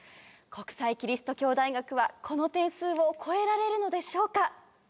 国際基督教大学はこの点数を超えられるのでしょうか？